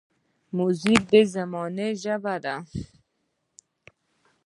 موزیک د زمانو ژبه ده.